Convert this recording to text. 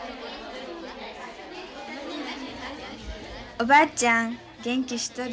「おばあちゃん元気しとる？